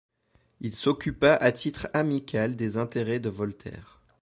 Il s'occupa à titre amical des intérêts de Voltaire.